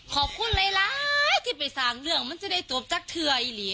ขอบคุณหลายที่ไปสร้างเรื่องมันจะได้จบจากเทืออีหลี